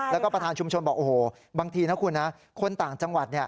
แล้วก็ประธานชุมชนบอกโอ้โหบางทีนะคุณนะคนต่างจังหวัด